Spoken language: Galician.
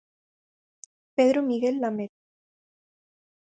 Pedro Miguel Lamet.